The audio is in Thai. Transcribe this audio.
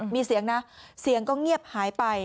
มีเสียงนะเสียงก็เงียบหายไป